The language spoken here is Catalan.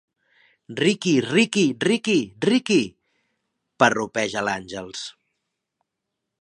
Riqui, Riqui, Riqui, Riqui... –parrupeja l'Àngels.